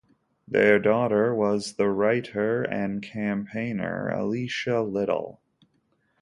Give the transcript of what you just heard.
Their daughter was the writer and campaigner Alicia Little.